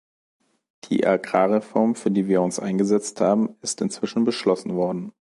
Die Agrarreform, für die wir uns eingesetzt haben, ist inzwischen beschlossen worden.